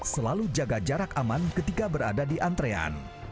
selalu jaga jarak aman ketika berada di antrean